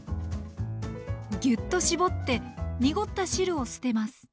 ギュッと絞って濁った汁を捨てます。